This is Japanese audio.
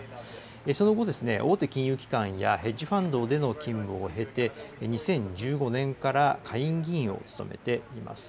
その後、大手金融機関やヘッジファンドでの勤務を経て、２０１５年から下院議員を務めています。